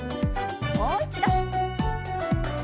もう一度。